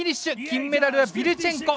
金メダルはビルチェンコ。